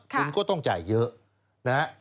คุณก็ต้องจ่ายเยอะนะฮะ